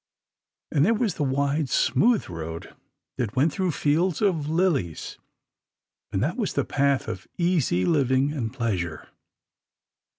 And there was a wide smooth road that went through fields of lilies, and that was the path of easy living and pleasure.